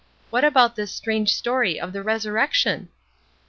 What about this strange story of the resurrection?